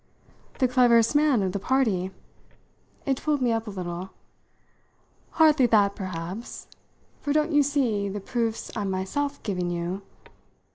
"The cleverest man of the party?" it pulled me up a little. "Hardly that, perhaps for don't you see the proofs I'm myself giving you?